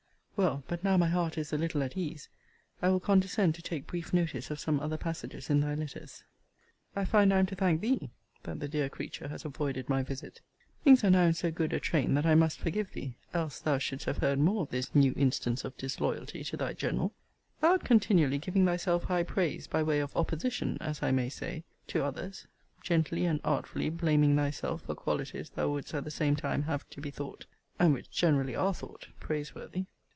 Well, but now my heart is a little at ease, I will condescend to take brief notice of some other passages in thy letters. I find I am to thank thee, that the dear creature has avoided my visit. Things are now in so good a train that I must forgive thee; else thou shouldst have heard more of this new instance of disloyalty to thy general. Thou art continually giving thyself high praise, by way of opposition, as I may say, to others; gently and artfully blaming thyself for qualities thou wouldst at the same time have to be thought, and which generally are thought, praise worthy.